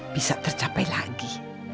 bisa tercapai lagi